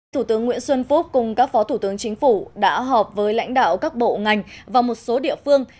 thủ tướng nguyễn xuân phúc cùng các phó thủ tướng chính phủ đã họp với lãnh đạo các bộ ngành và một số địa phương